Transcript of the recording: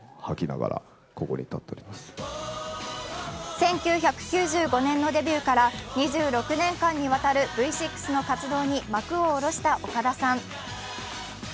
１９９５年のデビューから２６年間にわたるＶ６の活動に幕を下ろした岡田さん。